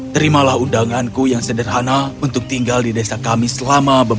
terimalah undanganku yang sederhana untuk tinggal di desa kami selama beberapa bulan